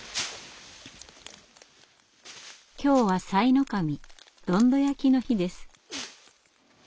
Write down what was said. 今日は賽の神「どんど焼き」の日です。